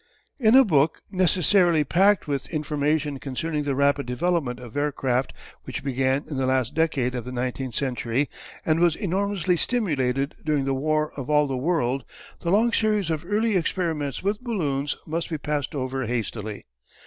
In a book, necessarily packed with information concerning the rapid development of aircraft which began in the last decade of the nineteenth century and was enormously stimulated during the war of all the world, the long series of early experiments with balloons must be passed over hastily.